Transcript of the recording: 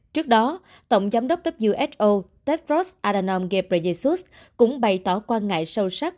trước đó tổng giám đốc who tedros adhanom ghebreyesus cũng bày tỏ quan ngại sâu sắc